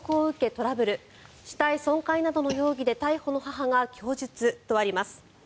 トラブル死体損壊などの容疑で逮捕の母が供述とあります。